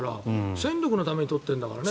戦力のために取っているんだからね。